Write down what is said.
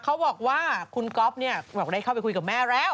เขาบอกว่าคุณก๊อฟเนี่ยบอกได้เข้าไปคุยกับแม่แล้ว